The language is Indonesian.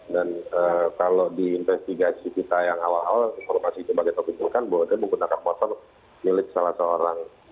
dan kalau di investigasi kita yang awal awal informasi itu bagi tgpf kan bahwa dia menggunakan motor milik salah seorang